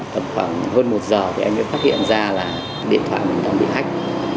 khoảng hơn một giờ thì anh mới phát hiện ra là điện thoại mình đang bị hách